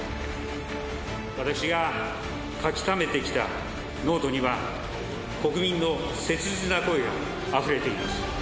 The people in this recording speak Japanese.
私が書きためてきたノートには、国民の切実な声があふれています。